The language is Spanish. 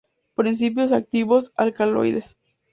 Principios activos: Alcaloides.